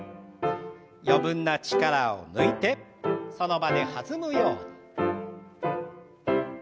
余分な力を抜いてその場で弾むように。